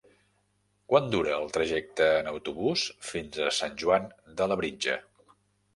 Quant dura el trajecte en autobús fins a Sant Joan de Labritja?